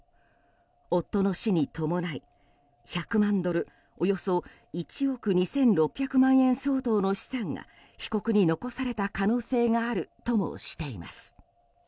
夫の死に伴い、１００万ドルおよそ１億２６００万円相当の資産が被告に残された可能性があるともしています。